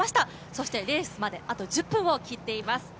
そして、レースまであと１０分を切っています。